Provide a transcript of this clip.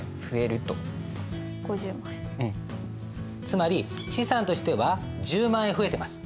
つまり資産としては１０万円増えてます。